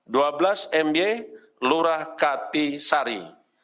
dua belas my lurah kati sari